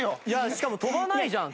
しかも飛ばないじゃん。